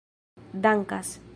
dankas